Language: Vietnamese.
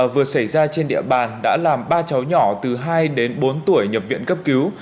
vừa xảy ra trên địa bàn đã làm ba cháu nhỏ từ hai đến bốn tuổi nhập viện cấp cứu